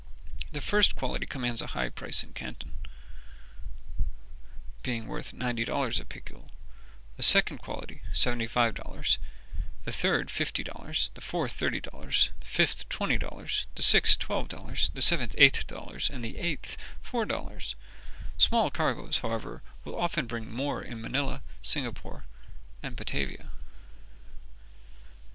The first quality commands a high price in Canton, being worth ninety dollars a picul; the second quality, seventy five dollars; the third, fifty dollars; the fourth, thirty dollars; the fifth, twenty dollars; the sixth, twelve dollars; the seventh, eight dollars; and the eighth, four dollars; small cargoes, however, will often bring more in Manilla, Singapore, and Batavia."